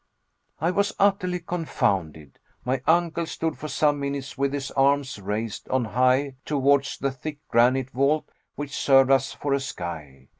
I was utterly confounded. My uncle stood for some minutes with his arms raised on high towards the thick granite vault which served us for a sky.